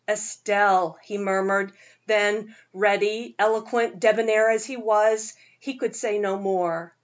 "Estelle," he murmured; then, ready, eloquent, debonair as he was, he could say no more.